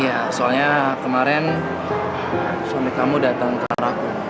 iya soalnya kemarin suami kamu datang ke kamar aku